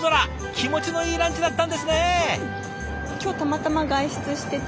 気持ちのいいランチだったんですね。